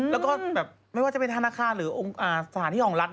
แล้วก็แบบไม่ว่าจะเป็นธนาคารหรือสถานที่ของรัฐ